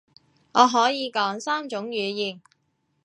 我可以講三種語言